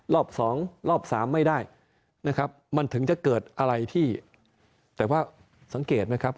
รอบสองรอบสามไม่ได้นะครับมันถึงจะเกิดอะไรที่แต่ว่าสังเกตไหมครับ